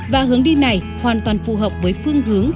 và hướng đi này hoàn toàn phù hợp với phương hướng